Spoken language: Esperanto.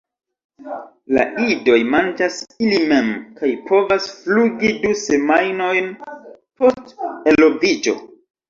La idoj manĝas ili mem kaj povas flugi du semajnojn post eloviĝo.